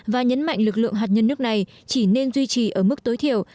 và nhấn mạnh lực lượng hạt nhân nước này chỉ nên duy trì ở mức tối thiểu